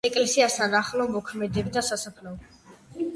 ეკლესიასთან ახლოს მოქმედებდა სასაფლაო.